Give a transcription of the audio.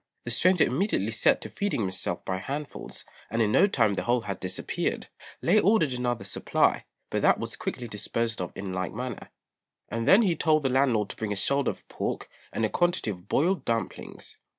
The stranger immediately set to feeding himself by handfuls, and in no time the whole had disappeared. Lê ordered another supply, but that was quickly disposed of in like manner; and then he told the landlord to bring a shoulder of pork and a quantity of boiled dumplings.